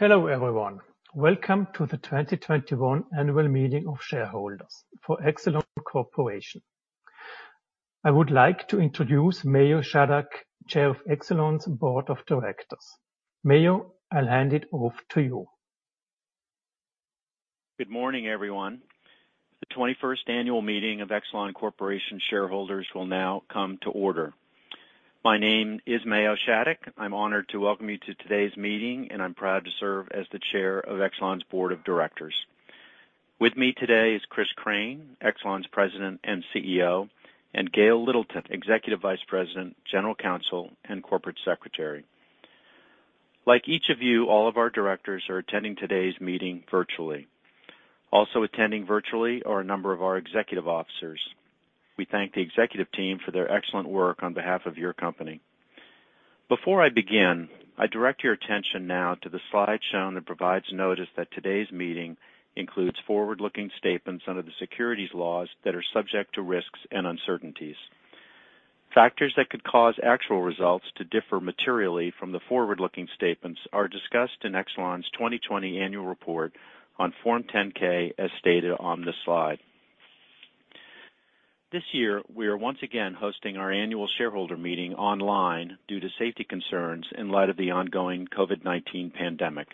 Hello everyone, welcome to the 2021 Annual Meeting of Shareholders for Exelon Corporation. I would like to introduce Mayo Shattuck, Chair of Exelon's Board of Directors. Mayo, I'll hand it off to you. Good morning everyone. The 21st Annual Meeting of Exelon Corporation shareholders will now come to order. My name is Mayo Shattuck. I'm honored to welcome you to today's meeting, and I'm proud to serve as the Chair of Exelon's Board of Directors. With me today is Chris Crane, Exelon's President and CEO, and Gayle Littleton, Executive Vice President, General Counsel, and Corporate Secretary. Like each of you, all of our directors are attending today's meeting virtually. Also attending virtually are a number of our executive officers. We thank the executive team for their excellent work on behalf of your company. Before I begin, I direct your attention now to the slide shown that provides notice that today's meeting includes forward-looking statements under the securities laws that are subject to risks and uncertainties. Factors that could cause actual results to differ materially from the forward-looking statements are discussed in Exelon's 2020 Annual Report on Form 10-K, as stated on this slide. This year, we are once again hosting our annual shareholder meeting online due to safety concerns in light of the ongoing COVID-19 pandemic.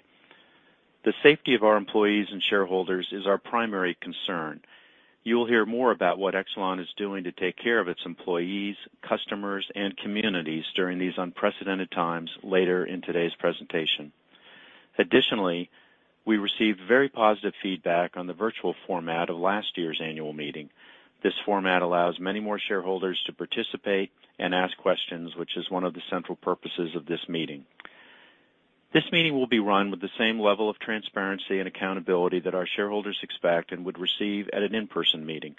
The safety of our employees and shareholders is our primary concern. You will hear more about what Exelon is doing to take care of its employees, customers, and communities during these unprecedented times later in today's presentation. Additionally, we received very positive feedback on the virtual format of last year's annual meeting. This format allows many more shareholders to participate and ask questions, which is one of the central purposes of this meeting. This meeting will be run with the same level of transparency and accountability that our shareholders expect and would receive at an in-person meeting.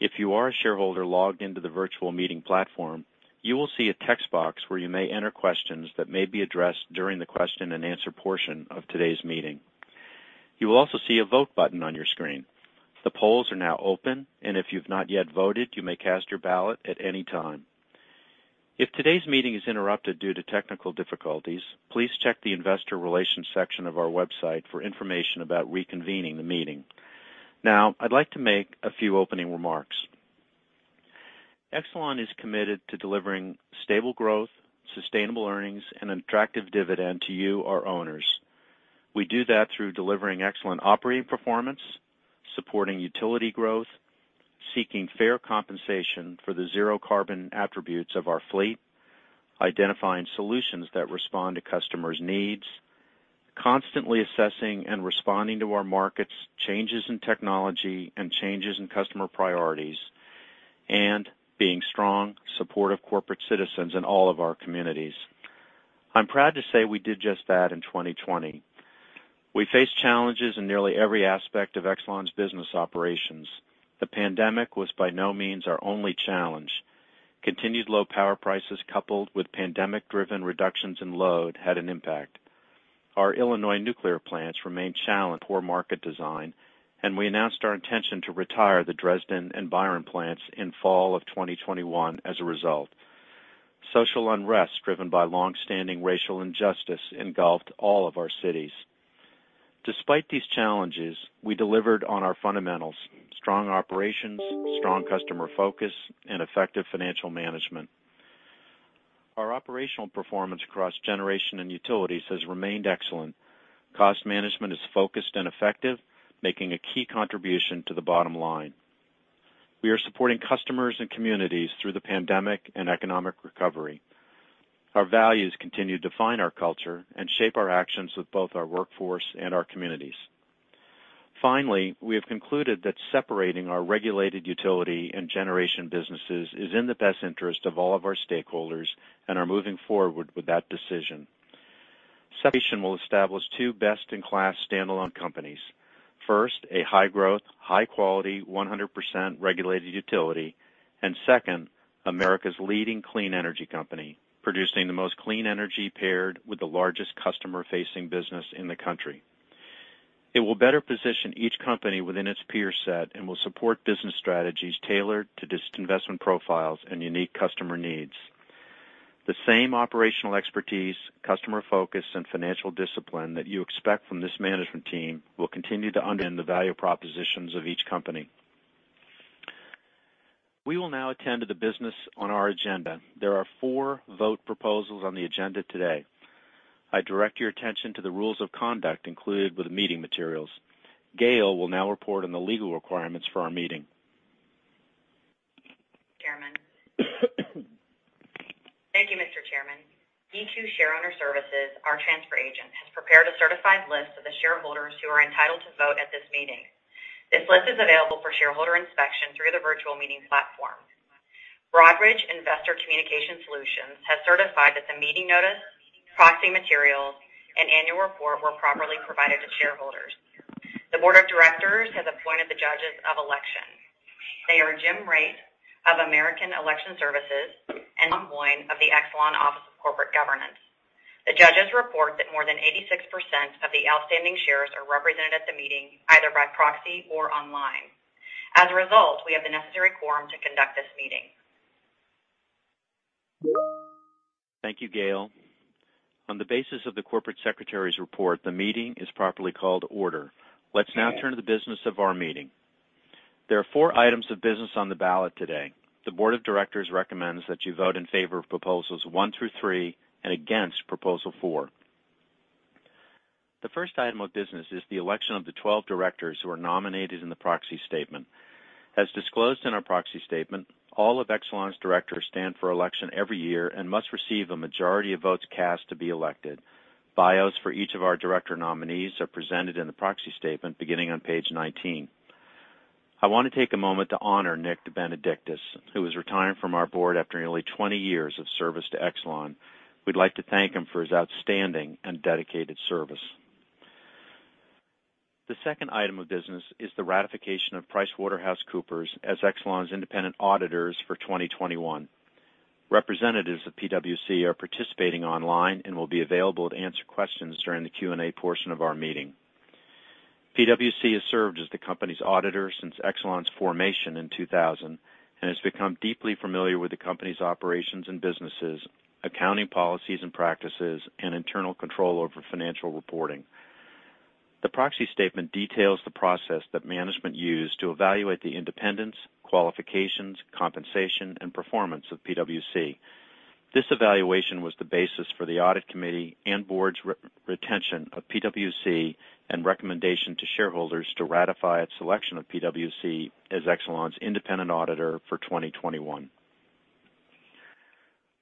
If you are a shareholder logged into the virtual meeting platform, you will see a text box where you may enter questions that may be addressed during the question and answer portion of today's meeting. You will also see a vote button on your screen. The polls are now open, and if you've not yet voted, you may cast your ballot at any time. If today's meeting is interrupted due to technical difficulties, please check the investor relations section of our website for information about reconvening the meeting. Now, I'd like to make a few opening remarks. Exelon is committed to delivering stable growth, sustainable earnings, and an attractive dividend to you, our owners. We do that through delivering excellent operating performance, supporting utility growth, seeking fair compensation for the zero-carbon attributes of our fleet, identifying solutions that respond to customers' needs, constantly assessing and responding to our market's changes in technology and changes in customer priorities, and being strong, supportive corporate citizens in all of our communities. I'm proud to say we did just that in 2020. We faced challenges in nearly every aspect of Exelon's business operations. The pandemic was by no means our only challenge. Continued low power prices, coupled with pandemic-driven reductions in load, had an impact. Our Illinois nuclear plants remained challenged by poor market design, and we announced our intention to retire the Dresden and Byron plants in fall of 2021 as a result. Social unrest driven by long-standing racial injustice engulfed all of our cities. Despite these challenges, we delivered on our fundamentals: strong operations, strong customer focus, and effective financial management. Our operational performance across generation and utilities has remained excellent. Cost management is focused and effective, making a key contribution to the bottom line. We are supporting customers and communities through the pandemic and economic recovery. Our values continue to define our culture and shape our actions with both our workforce and our communities. Finally, we have concluded that separating our regulated utility and generation businesses is in the best interest of all of our stakeholders and are moving forward with that decision. Separation will establish two best-in-class standalone companies. First, a high-growth, high-quality, 100% regulated utility, and second, America's leading clean energy company, producing the most clean energy paired with the largest customer-facing business in the country. It will better position each company within its peer set and will support business strategies tailored to distinct investment profiles and unique customer needs. The same operational expertise, customer focus, and financial discipline that you expect from this management team will continue to underpin the value propositions of each company. We will now attend to the business on our agenda. There are four vote proposals on the agenda today. I direct your attention to the rules of conduct included with the meeting materials. Gayle will now report on the legal requirements for our meeting. Chairman. Thank you, Mr. Chairman. EQ Shareowner Services, our transfer agent, has prepared a certified list of the shareholders who are entitled to vote at this meeting. This list is available for shareholder inspection through the virtual meeting platform. Broadridge Investor Communication Solutions has certified that the meeting notice, proxy materials, and annual report were properly provided to shareholders. The Board of Directors has appointed the judges of election. They are Jim Wray of American Election Services and John Boyne of the Exelon Office of Corporate Governance. The judges report that more than 86% of the outstanding shares are represented at the meeting either by proxy or online. As a result, we have the necessary quorum to conduct this meeting. Thank you, Gayle. On the basis of the Corporate Secretary's report, the meeting is properly called to order. Let's now turn to the business of our meeting. There are four items of business on the ballot today. The Board of Directors recommends that you vote in favor of proposals one through three and against proposal four. The first item of business is the election of the 12 directors who are nominated in the proxy statement. As disclosed in our proxy statement, all of Exelon's directors stand for election every year and must receive a majority of votes cast to be elected. Bios for each of our director nominees are presented in the proxy statement beginning on page 19. I want to take a moment to honor Nick DeBenedictis, who has retired from our board after nearly 20 years of service to Exelon. We'd like to thank him for his outstanding and dedicated service. The second item of business is the ratification of PricewaterhouseCoopers as Exelon's independent auditors for 2021. Representatives of PwC are participating online and will be available to answer questions during the Q&A portion of our meeting. PwC has served as the company's auditor since Exelon's formation in 2000 and has become deeply familiar with the company's operations and businesses, accounting policies and practices, and internal control over financial reporting. The proxy statement details the process that management used to evaluate the independence, qualifications, compensation, and performance of PwC. This evaluation was the basis for the audit committee and board's retention of PwC and recommendation to shareholders to ratify its selection of PwC as Exelon's independent auditor for 2021.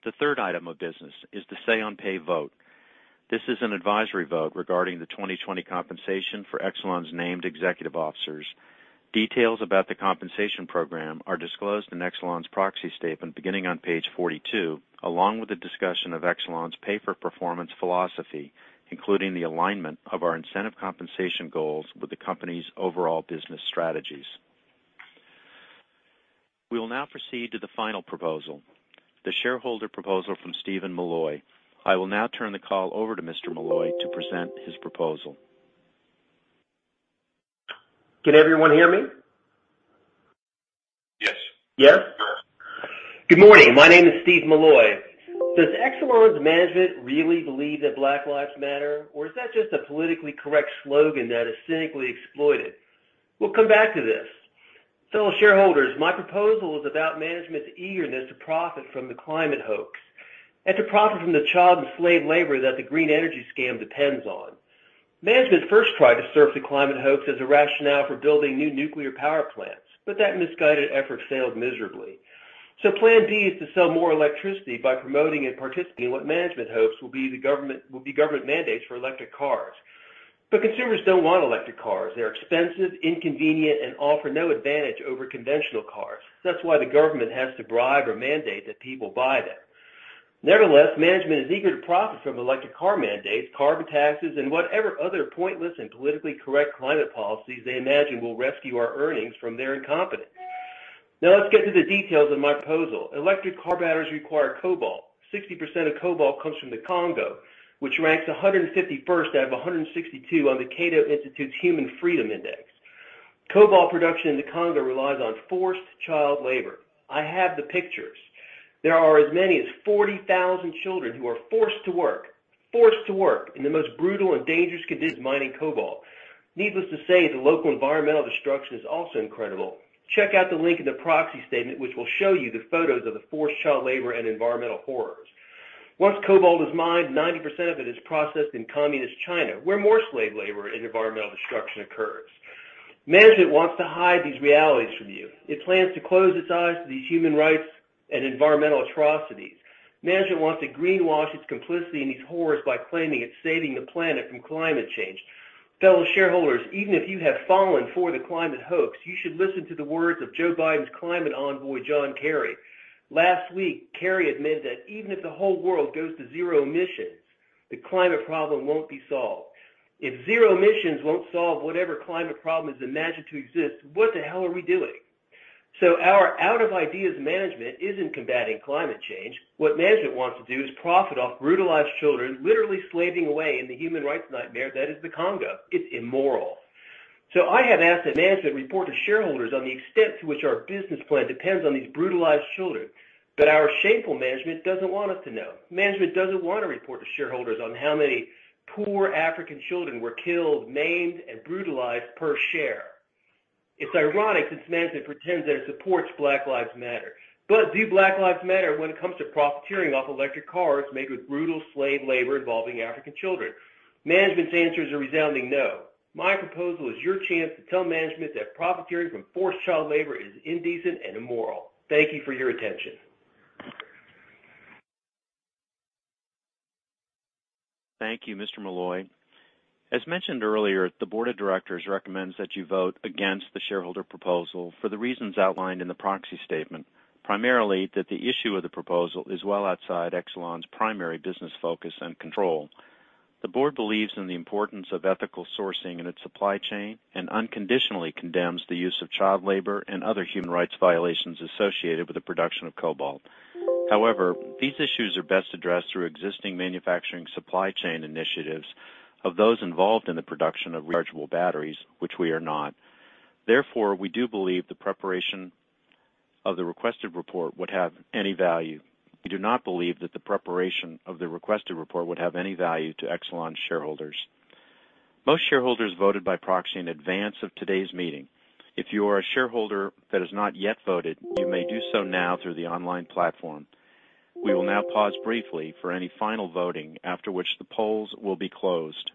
The third item of business is the say-on-pay vote. This is an advisory vote regarding the 2020 compensation for Exelon's named executive officers. Details about the compensation program are disclosed in Exelon's proxy statement beginning on page 42, along with a discussion of Exelon's pay-for-performance philosophy, including the alignment of our incentive compensation goals with the company's overall business strategies. We will now proceed to the final proposal, the shareholder proposal from Steven Milloy. I will now turn the call over to Mr. Malloy to present his proposal. Can everyone hear me? Yes. Yes? Yes. Good morning. My name is Steven Milloy. Does Exelon's management really believe that Black Lives Matter, or is that just a politically correct slogan that is cynically exploited? We'll come back to this. Fellow shareholders, my proposal is about management's eagerness to profit from the climate hoax and to profit from the child and slave labor that the green energy scam depends on. Management first tried to surf the climate hoax as a rationale for building new nuclear power plants, but that misguided effort failed miserably. So plan B is to sell more electricity by promoting and participating in what management hopes will be government mandates for electric cars. But consumers don't want electric cars. They're expensive, inconvenient, and offer no advantage over conventional cars. That's why the government has to bribe or mandate that people buy them. Nevertheless, management is eager to profit from electric car mandates, carbon taxes, and whatever other pointless and politically correct climate policies they imagine will rescue our earnings from their incompetence. Now let's get to the details of my proposal. Electric car batteries require cobalt. 60% of cobalt comes from the Congo, which ranks 151st out of 162 on the Cato Institute's Human Freedom Index. Cobalt production in the Congo relies on forced child labor. I have the pictures. There are as many as 40,000 children who are forced to work, forced to work in the most brutal and dangerous conditions mining cobalt. Needless to say, the local environmental destruction is also incredible. Check out the link in the proxy statement, which will show you the photos of the forced child labor and environmental horrors. Once cobalt is mined, 90% of it is processed in communist China, where more slave labor and environmental destruction occurs. Management wants to hide these realities from you. It plans to close its eyes to these human rights and environmental atrocities. Management wants to greenwash its complicity in these horrors by claiming it's saving the planet from climate change. Fellow shareholders, even if you have fallen for the climate hoax, you should listen to the words of Joe Biden's climate envoy, John Kerry. Last week, Kerry admitted that even if the whole world goes to zero emissions, the climate problem won't be solved. If zero emissions won't solve whatever climate problem is imagined to exist, what the hell are we doing? So our out-of-ideas management isn't combating climate change. What management wants to do is profit off brutalized children literally slaving away in the human rights nightmare that is the Congo. It's immoral. So I have asked that management report to shareholders on the extent to which our business plan depends on these brutalized children, but our shameful management doesn't want us to know. Management doesn't want to report to shareholders on how many poor African children were killed, maimed, and brutalized per share. It's ironic since management pretends that it supports Black Lives Matter. But do Black Lives Matter when it comes to profiteering off electric cars made with brutal slave labor involving African children? Management's answer is a resounding no. My proposal is your chance to tell management that profiteering from forced child labor is indecent and immoral. Thank you for your attention. Thank you, Mr. Malloy. As mentioned earlier, the Board of Directors recommends that you vote against the shareholder proposal for the reasons outlined in the proxy statement, primarily that the issue of the proposal is well outside Exelon's primary business focus and control. The board believes in the importance of ethical sourcing in its supply chain and unconditionally condemns the use of child labor and other human rights violations associated with the production of cobalt. However, these issues are best addressed through existing manufacturing supply chain initiatives of those involved in the production of rechargeable batteries, which we are not. Therefore, we do not believe the preparation of the requested report would have any value. We do not believe that the preparation of the requested report would have any value to Exelon's shareholders. Most shareholders voted by proxy in advance of today's meeting. If you are a shareholder that has not yet voted, you may do so now through the online platform. We will now pause briefly for any final voting, after which the polls will be closed.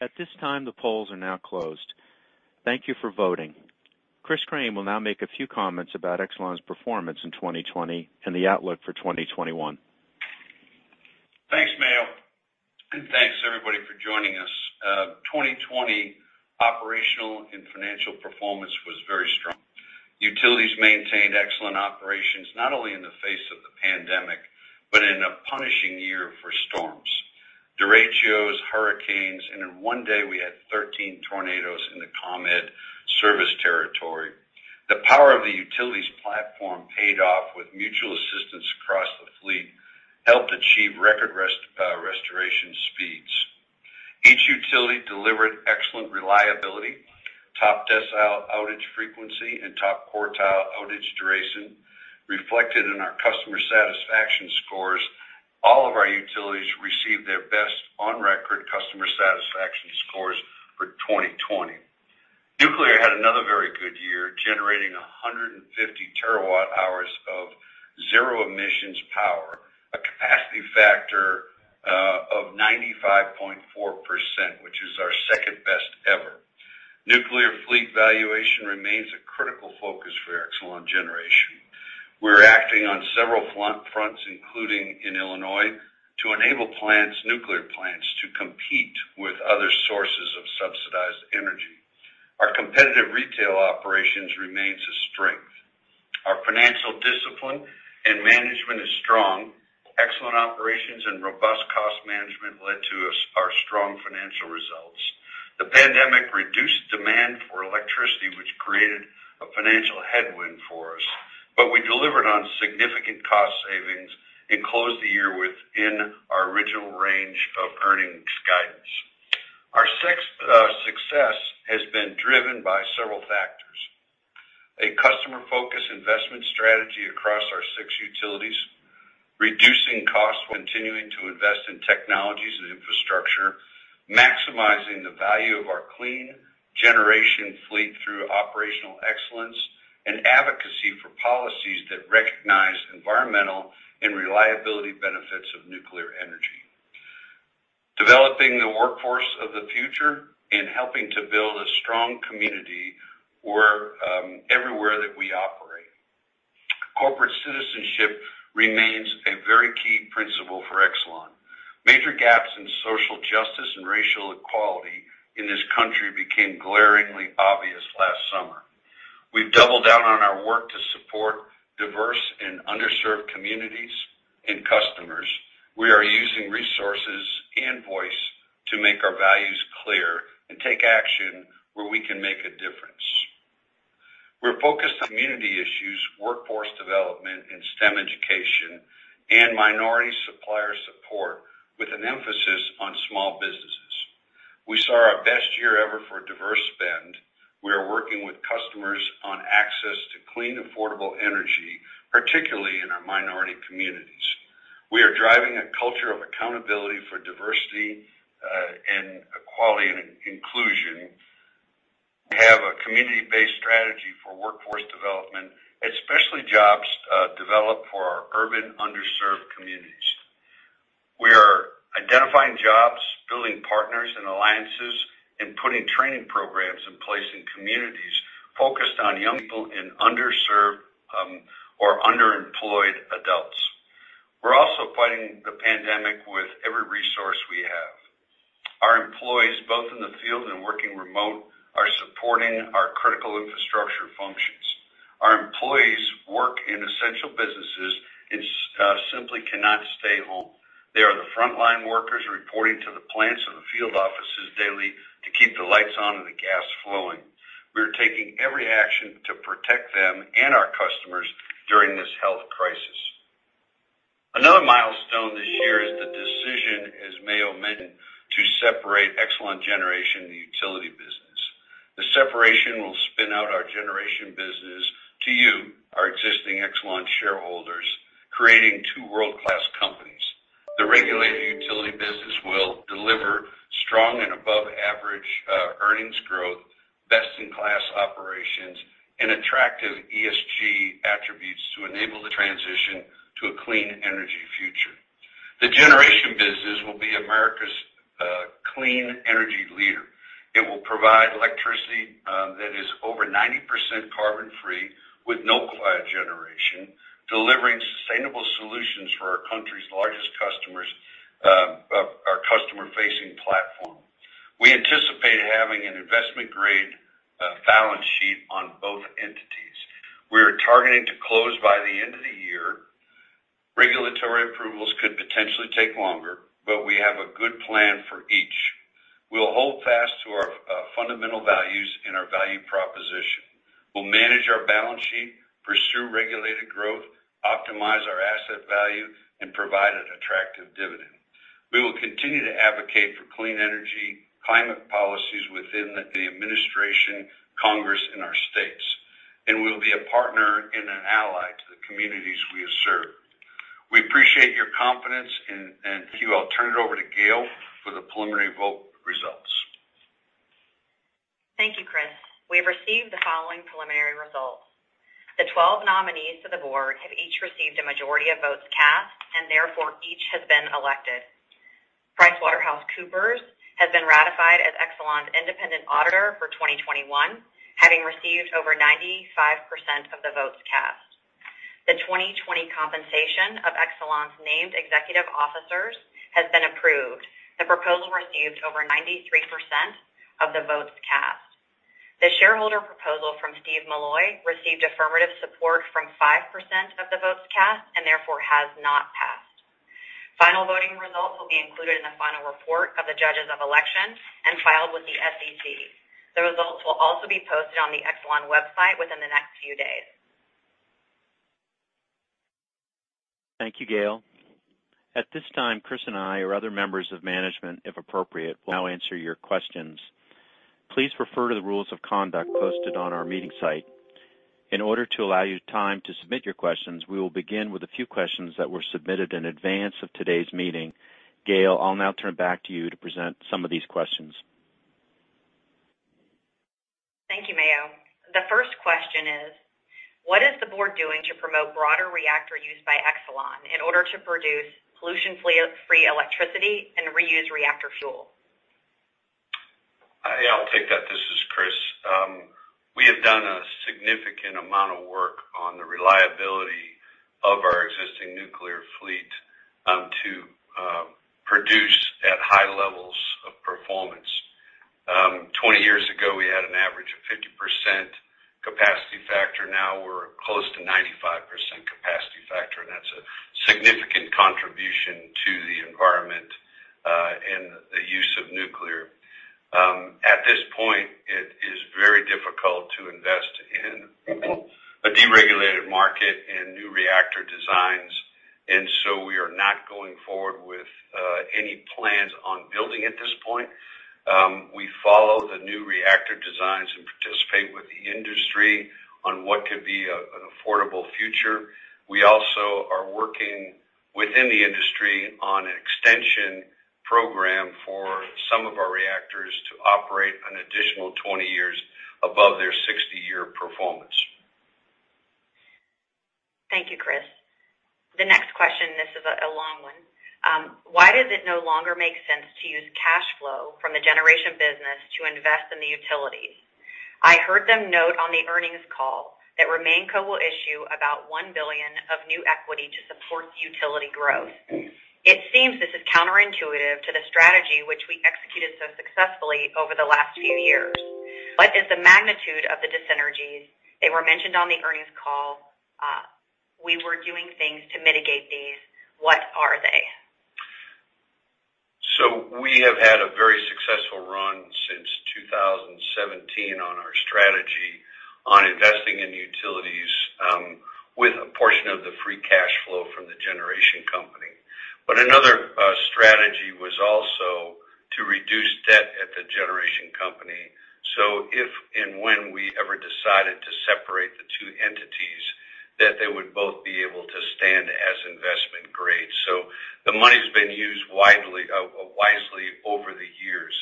At this time, the polls are now closed. Thank you for voting. Chris Crane will now make a few comments about Exelon's performance in 2020 and the outlook for 2021. Thanks, Mayo, and thanks, everybody, for joining us. 2020 operational and financial performance was very strong. Utilities maintained excellent operations not only in the face of the pandemic, but in a punishing year for storms. Derechos, hurricanes, and in one day we had 13 tornadoes in the ComEd service territory. The power of the utilities platform paid off with mutual assistance across the fleet, helped achieve record restoration speeds. Each utility delivered excellent reliability, top decile outage frequency, and top quartile outage duration, reflected in our customer satisfaction scores. All of our utilities received their best on-record customer satisfaction scores for 2020. Nuclear had another very good year, generating 150 terawatt-hours of zero-emissions power, a capacity factor of 95.4%, which is our second-best ever. Nuclear fleet valuation remains a critical focus for Exelon Generation. We're acting on several fronts, including in Illinois, to enable nuclear plants to compete with other sources of subsidized energy. Our competitive retail operations remain a strength. Our financial discipline and management is strong. Excellent operations and robust cost management led to our strong financial results. The pandemic reduced demand for electricity, which created a financial headwind for us, but we delivered on significant cost savings and closed the year within our original range of earnings guidance. Our success has been driven by several factors: a customer-focused investment strategy across our six utilities, reducing costs, continuing to invest in technologies and infrastructure, maximizing the value of our clean generation fleet through operational excellence, and advocacy for policies that recognize environmental and reliability benefits of nuclear energy, developing the workforce of the future, and helping to build a strong community everywhere that we operate. Corporate citizenship remains a very key principle for Exelon. Major gaps in social justice and racial equality in this country became glaringly obvious last summer. We've doubled down on our work to support diverse and underserved communities and customers. We are using resources and voice to make our values clear and take action where we can make a difference. We're focused on community issues, workforce development and STEM education, and minority supplier support, with an emphasis on small businesses. We saw our best year ever for a diverse spend. We are working with customers on access to clean, affordable energy, particularly in our minority communities. We are driving a culture of accountability for diversity and equality and inclusion. We have a community-based strategy for workforce development, especially jobs developed for our urban underserved communities. We are identifying jobs, building partners and alliances, and putting training programs in place in communities focused on young people and underserved or underemployed adults. We're also fighting the pandemic with every resource we have. Our employees, both in the field and working remote, are supporting our critical infrastructure functions. Our employees work in essential businesses and simply cannot stay home. They are the frontline workers reporting to the plants and the field offices daily to keep the lights on and the gas flowing. We are taking every action to protect them and our customers during this health crisis. Another milestone this year is the decision, as Mayo mentioned, to separate Exelon Generation and the utility business. The separation will spin out our generation business to you, our existing Exelon shareholders, creating two world-class companies. The regulated utility business will deliver strong and above-average earnings growth, best-in-class operations, and attractive ESG attributes to enable the transition to a clean energy future. The generation business will be America's clean energy leader. It will provide electricity that is over 90% carbon-free with no coal generation, delivering sustainable solutions for our country's largest customers, our customer-facing platform. We anticipate having an investment-grade balance sheet on both entities. We are targeting to close by the end of the year. Regulatory approvals could potentially take longer, but we have a good plan for each. We'll hold fast to our fundamental values and our value proposition. We'll manage our balance sheet, pursue regulated growth, optimize our asset value, and provide an attractive dividend. We will continue to advocate for clean energy, climate policies within the administration, Congress, and our states, and we'll be a partner and an ally to the communities we have served. We appreciate your confidence, and thank you. I'll turn it over to Gayle for the preliminary vote results. Thank you, Chris. We have received the following preliminary results. The 12 nominees to the board have each received a majority of votes cast, and therefore each has been elected. PricewaterhouseCoopers has been ratified as Exelon's independent auditor for 2021, having received over 95% of the votes cast. The 2020 compensation of Exelon's named executive officers has been approved. The proposal received over 93% of the votes cast. The shareholder proposal from Steven Milloy received affirmative support from 5% of the votes cast and therefore has not passed. Final voting results will be included in the final report of the judges of election and filed with the SEC. The results will also be posted on the Exelon website within the next few days. Thank you, Gayle. At this time, Chris and I or other members of management, if appropriate, will now answer your questions. Please refer to the rules of conduct posted on our meeting site. In order to allow you time to submit your questions, we will begin with a few questions that were submitted in advance of today's meeting. Gayle, I'll now turn it back to you to present some of these questions. Thank you, Mayo. The first question is, what is the board doing to promote broader reactor use by Exelon in order to produce pollution-free electricity and reuse reactor fuel? Yeah, I'll take that. This is Chris. We have done a significant amount of work on the reliability of our existing nuclear fleet to produce at high levels of performance. Twenty years ago, we had an average of 50% capacity factor. Now we're close to 95% capacity factor, and that's a significant contribution to the environment and the use of nuclear. At this point, it is very difficult to invest in a deregulated market and new reactor designs, and so we are not going forward with any plans on building at this point. We follow the new reactor designs and participate with the industry on what could be an affordable future. We also are working within the industry on an extension program for some of our reactors to operate an additional 20 years above their 60-year performance. Thank you, Chris. The next question, this is a long one. Why does it no longer make sense to use cash flow from the generation business to invest in the utilities? I heard them note on the earnings call that RemainCo will issue about $1 billion of new equity to support utility growth. It seems this is counterintuitive to the strategy which we executed so successfully over the last few years. What is the magnitude of the dis-synergies? They were mentioned on the earnings call. We were doing things to mitigate these. What are they? So we have had a very successful run since 2017 on our strategy on investing in utilities with a portion of the free cash flow from the generation company. But another strategy was also to reduce debt at the generation company. So if and when we ever decided to separate the two entities, that they would both be able to stand as investment grade. So the money's been used wisely over the years.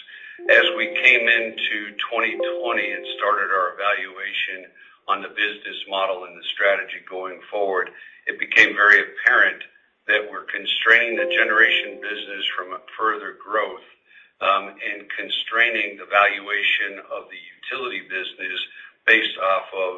As we came into 2020 and started our evaluation on the business model and the strategy going forward, it became very apparent that we're constraining the generation business from further growth and constraining the valuation of the utility business based off of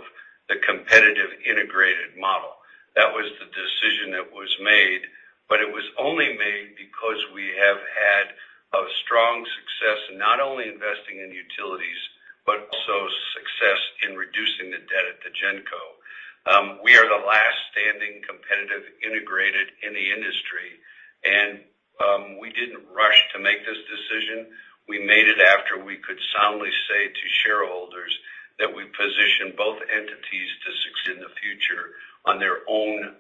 the competitive integrated model. That was the decision that was made, but it was only made because we have had a strong success in not only investing in utilities, but also success in reducing the debt at the Genco. We are the last standing competitive integrated in the industry, and we didn't rush to make this decision. We made it after we could soundly say to shareholders that we position both entities to succeed in the future on their own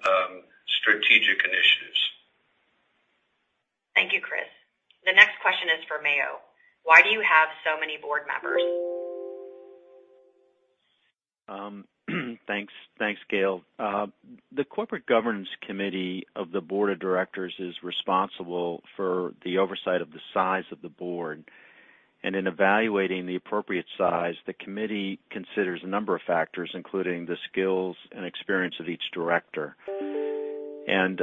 strategic initiatives. Thank you, Chris. The next question is for Mayo. Why do you have so many board members? Thanks, Gayle. The Corporate Governance Committee of the Board of Directors is responsible for the oversight of the size of the board. And in evaluating the appropriate size, the committee considers a number of factors, including the skills and experience of each director. And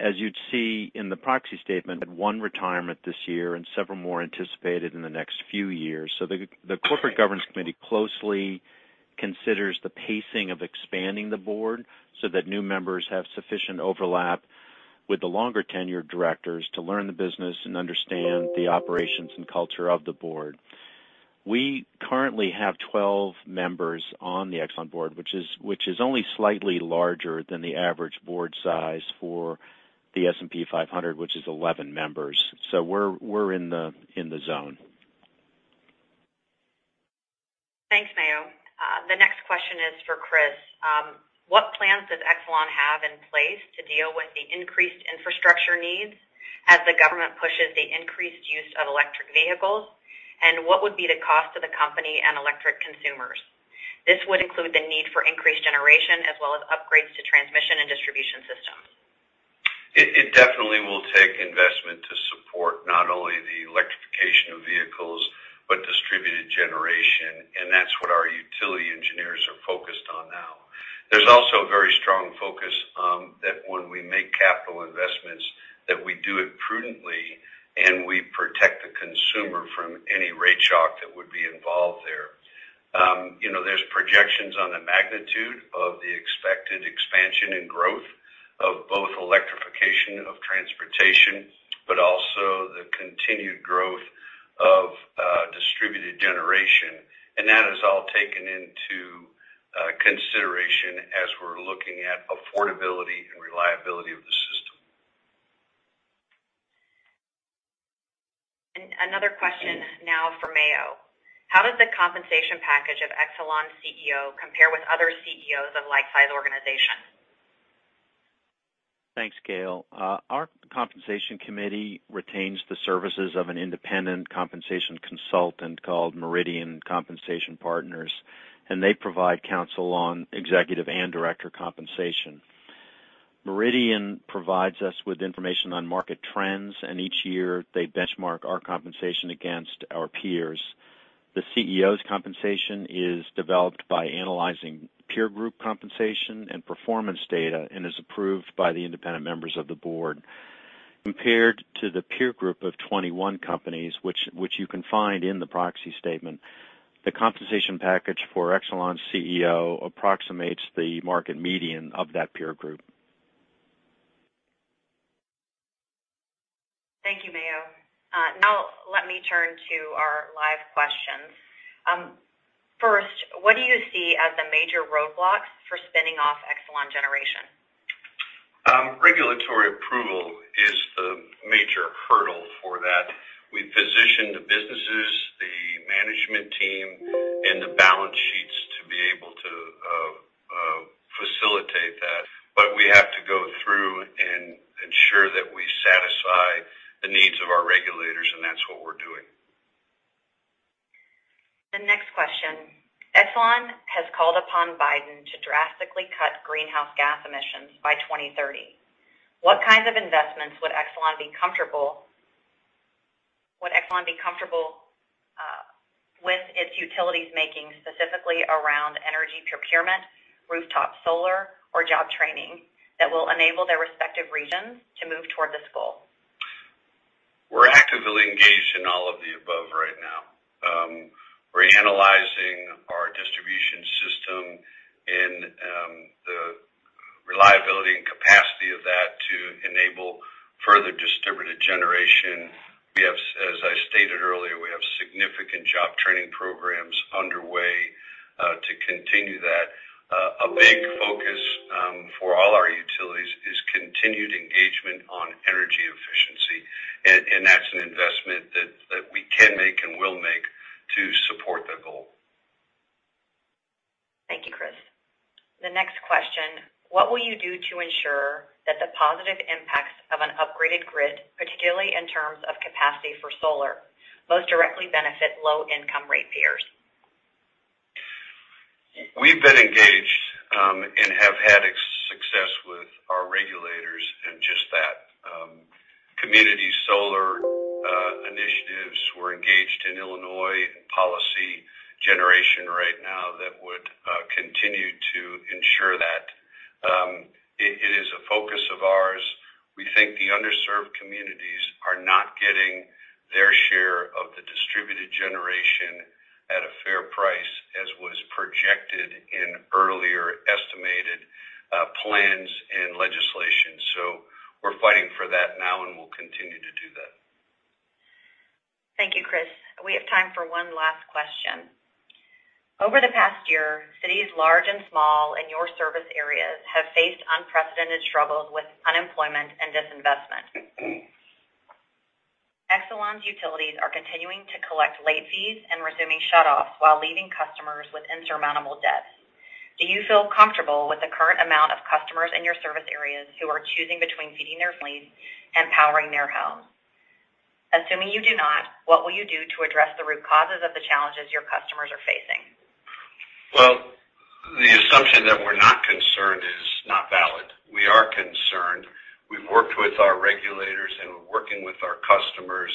as you'd see in the proxy statement, one retirement this year and several more anticipated in the next few years. So the Corporate Governance Committee closely considers the pacing of expanding the board so that new members have sufficient overlap with the longer tenured directors to learn the business and understand the operations and culture of the board. We currently have 12 members on the Exelon board, which is only slightly larger than the average board size for the S&P 500, which is 11 members. So we're in the zone. Thanks, Mayo. The next question is for Chris. What plans does Exelon have in place to deal with the increased infrastructure needs as the government pushes the increased use of electric vehicles? And what would be the cost to the company and electric consumers? This would include the need for increased generation as well as upgrades to transmission and distribution systems. It definitely will take investment to support not only the electrification of vehicles but distributed generation, and that's what our utility engineers are focused on now. There's also a very strong focus that when we make capital investments, that we do it prudently and we protect the consumer from any rate shock that would be involved there. There's projections on the magnitude of the expected expansion and growth of both electrification of transportation, but also the continued growth of distributed generation. And that is all taken into consideration as we're looking at affordability and reliability of the system. Another question now for Mayo. How does the compensation package of Exelon CEO compare with other CEOs of like-sized organizations? Thanks, Gayle. Our compensation committee retains the services of an independent compensation consultant called Meridian Compensation Partners, and they provide counsel on executive and director compensation. Meridian provides us with information on market trends, and each year they benchmark our compensation against our peers. The CEO's compensation is developed by analyzing peer group compensation and performance data and is approved by the independent members of the board. Compared to the peer group of 21 companies, which you can find in the proxy statement, the compensation package for Exelon CEO approximates the market median of that peer group. Thank you, Mayo. Now let me turn to our live questions. First, what do you see as the major roadblocks for spinning off Exelon Generation? Regulatory approval is the major hurdle for that. We position the businesses, the management team, and the balance sheets to be able to facilitate that. But we have to go through and ensure that we satisfy the needs of our regulators, and that's what we're doing. The next question. Exelon has called upon Biden to drastically cut greenhouse gas emissions by 2030. What kinds of investments would Exelon be comfortable with its utilities making specifically around energy procurement, rooftop solar, or job training that will enable their respective regions to move toward this goal? We're actively engaged in all of the above right now. We're analyzing our distribution system and the reliability and capacity of that to enable further distributed generation. As I stated earlier, we have significant job training programs underway to continue that. A big focus for all our utilities is continued engagement on energy efficiency, and that's an investment that we can make and will make to support that goal. Thank you, Chris. The next question. What will you do to ensure that the positive impacts of an upgraded grid, particularly in terms of capacity for solar, most directly benefit low-income ratepayers? We've been engaged and have had success with our regulators in just that. Community solar initiatives were engaged in Illinois and policy generation right now that would continue to ensure that. It is a focus of ours. We think the underserved communities are not getting their share of the distributed generation at a fair price, as was projected in earlier estimated plans and legislation. So we're fighting for that now, and we'll continue to do that. Thank you, Chris. We have time for one last question. Over the past year, cities large and small and your service areas have faced unprecedented struggles with unemployment and disinvestment. Exelon's utilities are continuing to collect late fees and resuming shutoffs while leaving customers with insurmountable debts. Do you feel comfortable with the current amount of customers in your service areas who are choosing between feeding their families and powering their homes? Assuming you do not, what will you do to address the root causes of the challenges your customers are facing? Well, the assumption that we're not concerned is not valid. We are concerned. We've worked with our regulators and we're working with our customers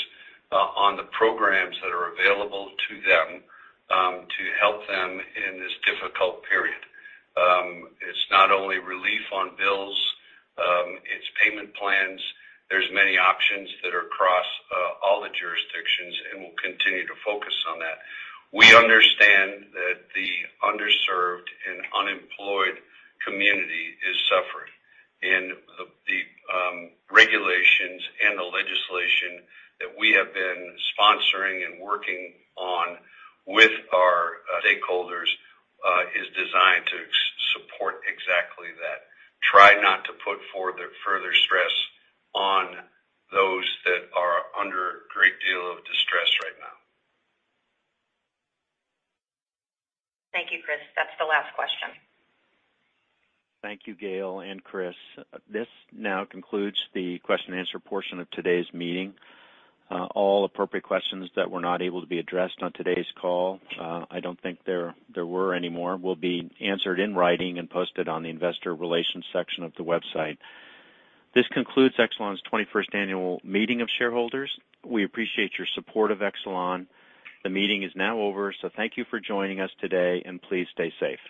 on the programs that are available to them to help them in this difficult period. It's not only relief on bills. It's payment plans. There's many options that are across all the jurisdictions, and we'll continue to focus on that. We understand that the underserved and unemployed community is suffering, and the regulations and the legislation that we have been sponsoring and working on with our stakeholders is designed to support exactly that. Try not to put further stress on those that are under a great deal of distress right now. Thank you, Chris. That's the last question. Thank you, Gayle and Chris. This now concludes the question-and-answer portion of today's meeting. All appropriate questions that were not able to be addressed on today's call, I don't think there were anymore, will be answered in writing and posted on the investor relations section of the website. This concludes Exelon's 21st annual meeting of shareholders. We appreciate your support of Exelon. The meeting is now over, so thank you for joining us today, and please stay safe.